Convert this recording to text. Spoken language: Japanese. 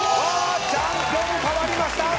チャンピオン代わりました！